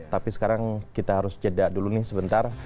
tapi sekarang kita harus jeda dulu nih sebentar